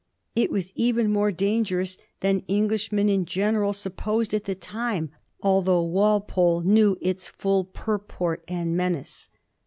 It was even more dangerous than Englishmen in general supposed at the time, although Walpole knew its full purport and menace.